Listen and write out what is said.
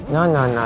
nah nah nah